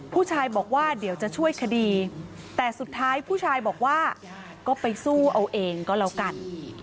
ผู้ชายบอกว่าเดี๋ยวจะช่วยคดีแต่สุดท้ายผู้ชายบอกว่าก็ไปสู้เอาเองก็แล้วกัน